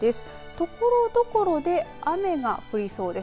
ところどころで雨が降りそうです。